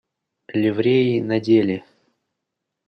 Ливреи надели.